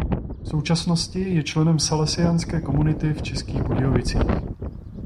V současnosti je členem salesiánské komunity v Českých Budějovicích.